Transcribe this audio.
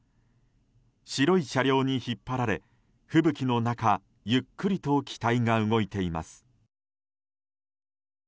白い車両に引っ張られ、吹雪の中ゆっくりと機体が動いています。